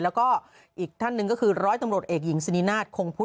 แล้วก็อีกท่านหนึ่งก็คือร้อยตำรวจเอกหญิงสนินาศคงพุทธ